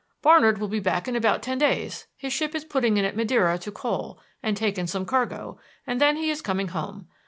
Barnard will be back in about ten days. His ship is putting in at Madeira to coal and take in some cargo, and then he is coming home.